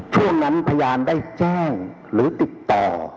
ช่วงนั้นพยานได้แจ้งหรือติดต่อ